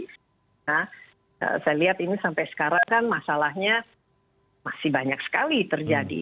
saya lihat ini sampai sekarang kan masalahnya masih banyak sekali terjadi